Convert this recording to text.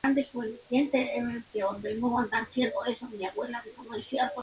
Puede suceder durante la guerra, para reducir la potencial fuente de soldados del enemigo.